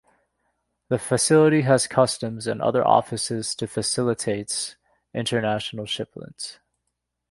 The facility has customs and other offices to facilitates international shipments.